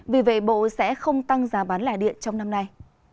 vì vậy bộ sẽ không tăng giá bán lẻ điện trong năm nay